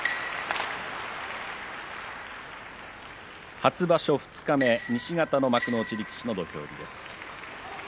初場所二日目西方幕内力士の土俵入りです。